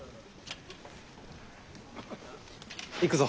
行くぞ。